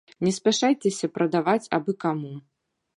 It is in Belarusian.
Не спяшайцеся прадаваць абы каму.